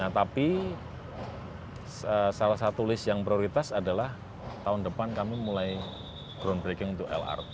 tapi salah satu list yang prioritas adalah tahun depan kami mulai groundbreaking untuk lrt